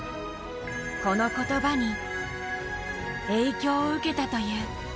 このことばに影響を受けたという。